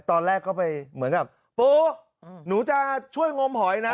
ตอนแรกก็ไปเหมือนกับปูหนูจะช่วยงมหอยนะ